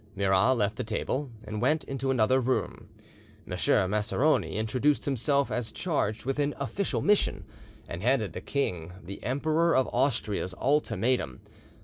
Murat left the table and went into another room. M. Maceroni introduced himself as charged with an official mission, and handed the king the Emperor of Austria's ultimatum.